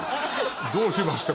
どうしました？